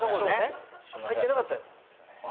入ってなかったですよね。